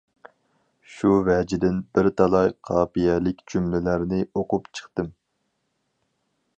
شۇ ۋەجىدىن، بىر تالاي قاپىيەلىك جۈملىلەرنى ئۇقۇپ چىقتىم.